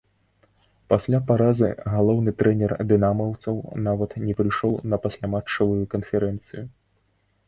Пасля паразы галоўны трэнер дынамаўцаў нават не прыйшоў на пасляматчавую канферэнцыю.